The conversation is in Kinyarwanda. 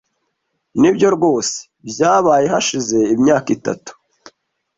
Nibyo rwose byabaye hashize imyaka itatu.